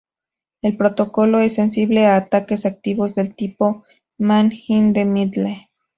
El protocolo es sensible a ataques activos del tipo "Man-in-the-middle".